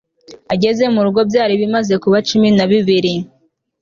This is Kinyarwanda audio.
Ageze murugo byari bimaze kuba cumi na bibiri